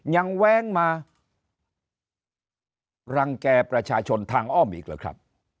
แว้งมารังแก่ประชาชนทางอ้อมอีกหรือครับ